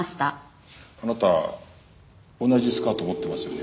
あなた同じスカート持ってますよね？